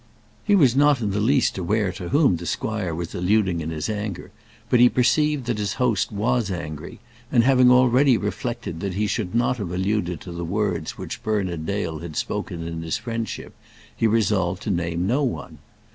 He was not in the least aware to whom the squire was alluding in his anger; but he perceived that his host was angry, and having already reflected that he should not have alluded to the words which Bernard Dale had spoken in his friendship, he resolved to name no one.